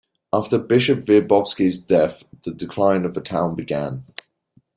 After Bishop Wierzbowski's death the decline of the town began.